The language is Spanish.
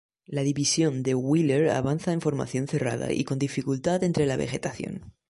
La división de Wheeler avanza en formación cerrada y con dificultad entre la vegetación.